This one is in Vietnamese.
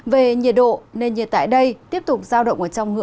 về nhiệt độ nền nhiệt tại đây tiếp tục sao động trong hưởng là hai mươi bốn ba mươi hai độ